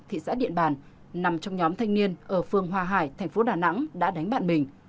thị xã điện bàn nằm trong nhóm thanh niên ở phương hòa hải thành phố đà nẵng đã đánh bạn mình